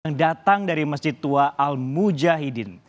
yang datang dari masjid tua al mujahidin